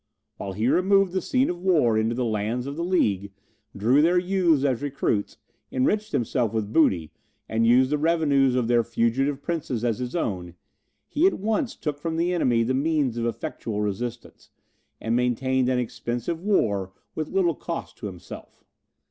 While he removed the scene of war into the lands of the League, drew their youth as recruits, enriched himself with booty, and used the revenues of their fugitive princes as his own, he at once took from the enemy the means of effectual resistance, and maintained an expensive war with little cost to himself.